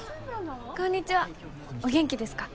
こんにちはお元気ですか？